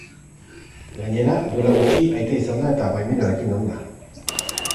Gainera, duela gutxi aita izan da eta baimenarekin egon da.